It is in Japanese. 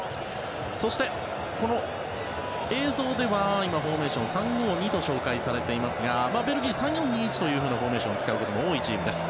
そして映像ではフォーメーション３−５−２と紹介されていますがベルギー、３−４−２−１というフォーメーションを使うことも多いチームです。